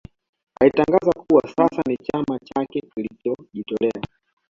Alitangaza kuwa sasa ni chama chake kilichojitolea